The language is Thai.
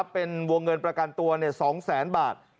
เป็นวงเงินประกันตัว๒แสนบาท